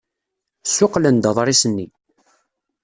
Ssuqqlen-d aḍris-nni.